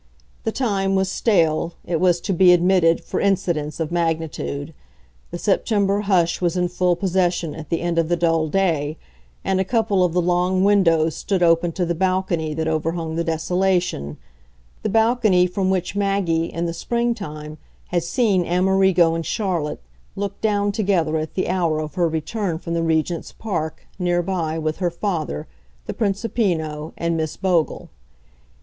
The time was stale, it was to be admitted, for incidents of magnitude; the September hush was in full possession, at the end of the dull day, and a couple of the long windows stood open to the balcony that overhung the desolation the balcony from which Maggie, in the springtime, had seen Amerigo and Charlotte look down together at the hour of her return from the Regent's Park, near by, with her father, the Principino and Miss Bogle.